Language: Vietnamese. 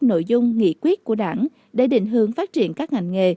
nội dung nghị quyết của đảng để định hướng phát triển các ngành nghề